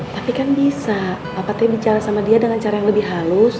tapi kan bisa apakah bicara sama dia dengan cara yang lebih halus